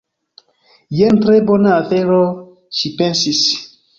"Jen tre bona afero," ŝi pensis.